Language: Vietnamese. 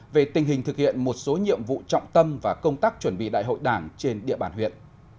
về tình hình thực hiện một số nhiệm vụ trọng tâm và công tác chuẩn bị đại hội đảng trên địa bàn huyện